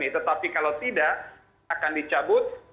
tetapi kalau tidak akan dicabut